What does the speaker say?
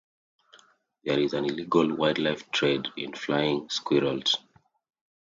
There is an illegal wildlife trade in flying squirrels.